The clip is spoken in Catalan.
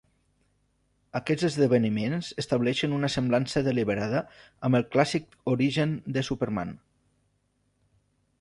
Aquests esdeveniments estableixen una semblança deliberada amb el clàssic origen de Superman.